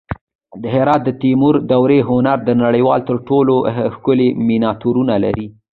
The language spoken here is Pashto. د هرات د تیموري دورې هنر د نړۍ تر ټولو ښکلي مینیاتورونه لري